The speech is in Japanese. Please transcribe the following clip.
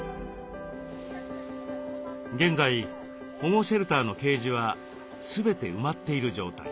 現在保護シェルターのケージは全て埋まっている状態。